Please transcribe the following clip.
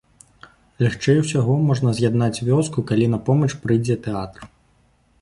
Лягчэй усяго можна з'яднаць вёску, калі на помач прыйдзе тэатр.